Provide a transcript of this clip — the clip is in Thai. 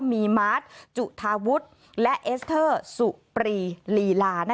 มีมาร์ทจุธาวุฒิและเอสเตอร์สุปรีลีลา